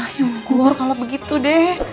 syukur kalau begitu deh